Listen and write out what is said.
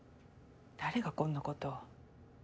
だれがこんなことを？